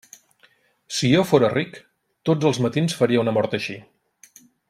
Si jo fóra ric, tots els matins faria una mort així.